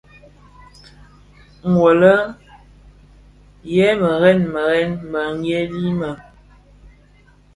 Wu lè yè murèn muren meghel me.